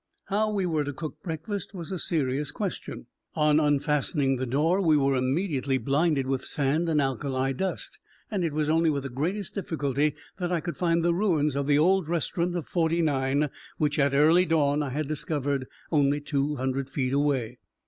How we were to cook breakfast was a serious question. On unfastening the door, we were immediately blinded with sand and alkali dust; and it was only with the greatest difficulty that I could find the ruins of the old restaurant of '49, which at early dawn I had discovered only two hundred feet away.